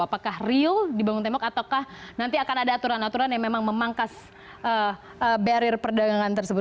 apakah real dibangun tembok ataukah nanti akan ada aturan aturan yang memangkas barrier perdagangan tersebut